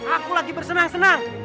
aku lagi bersenang senang